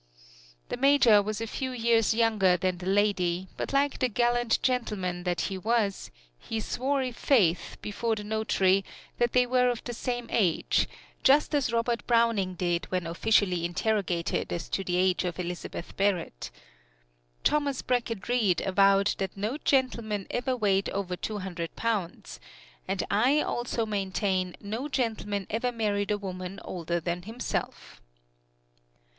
The Major was a few years younger than the lady, but like the gallant gentleman that he was, he swore i' faith before the notary that they were of the same age, just as Robert Browning did when officially interrogated as to the age of Elizabeth Barrett. Thomas Brackett Reed avowed that no gentleman ever weighed over two hundred pounds, and I also maintain no gentleman ever married a woman older than himself.